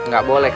gak boleh kak